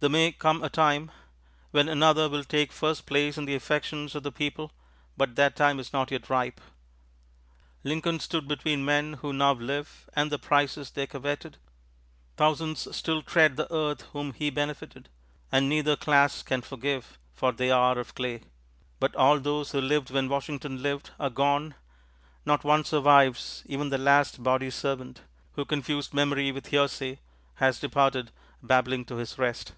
There may come a time when another will take first place in the affections of the people, but that time is not yet ripe. Lincoln stood between men who now live and the prizes they coveted; thousands still tread the earth whom he benefited, and neither class can forgive, for they are of clay. But all those who lived when Washington lived are gone; not one survives; even the last body servant, who confused memory with hearsay, has departed babbling to his rest.